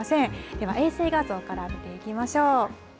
では衛星画像から見ていきましょう。